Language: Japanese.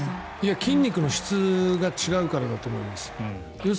筋肉の質が違うからだと思います。